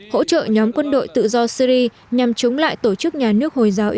hỗ trợ nhóm quân đội tự do syria nhằm chống lại tổ chức nhà nước hồi giáo